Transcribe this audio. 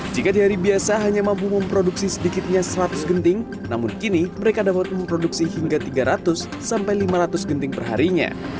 jika di hari biasa hanya mampu memproduksi sedikitnya seratus genting namun kini mereka dapat memproduksi hingga tiga ratus sampai lima ratus genting perharinya